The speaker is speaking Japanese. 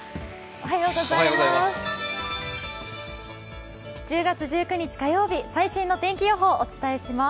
おはようございます。